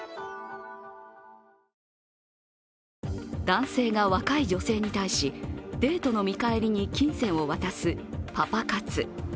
男性が若い女性に対しデートの見返りに金銭を渡すパパ活。